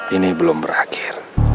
ini belum berakhir